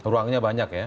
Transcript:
ruangnya banyak ya